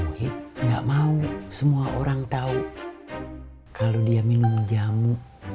nggak mau semua orang tahu kalau dia minum jamu